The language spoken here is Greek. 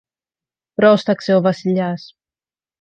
πρόσταξε ο Βασιλιάς.